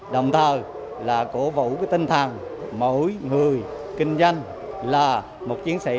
đồng thời là cổ vũ tinh thần mỗi người kinh doanh là một chiến sĩ